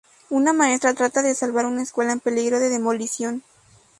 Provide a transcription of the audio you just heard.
Una maestra trata de salvar una escuela en peligro de demolición.